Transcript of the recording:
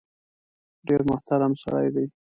ډېر محترم سړی دی .